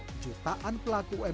serta jutaan pelaku umkm